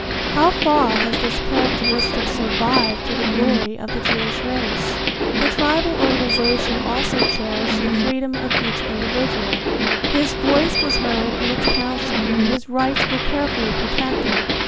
How far has this characteristic survived to the glory of the Jewish race? The tribal organization also cherished the freedom of each individual. His voice was heard in its council and his rights were carefully protected.